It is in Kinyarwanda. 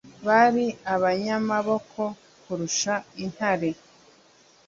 Bari abanyamaboko kurusha intare